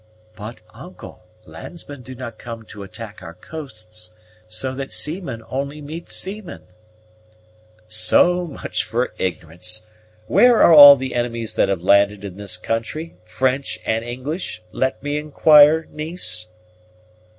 "But, uncle, landsmen do not come to attack our coasts; so that seamen only meet seamen." "So much for ignorance! Where are all the enemies that have landed in this country, French and English, let me inquire, niece?"